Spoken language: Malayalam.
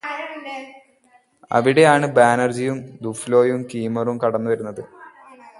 അവിടെയാണ് ബാനർജിയും ദുഫ്ലോയും ക്രീമറും കടന്നുവരുന്നത്.